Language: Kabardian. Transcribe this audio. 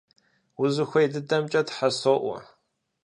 Узыхуей дыдэмкӀэ Тхьэ соӀуэ!